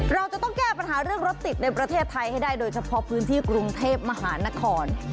เราจะต้องแก้ปัญหาเรื่องรถติดในประเทศไทยให้ได้โดยเฉพาะพื้นที่กรุงเทพมหานคร